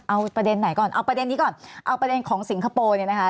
เอาประเด็นไหนก่อนเอาประเด็นนี้ก่อนเอาประเด็นของสิงคโปร์เนี่ยนะคะ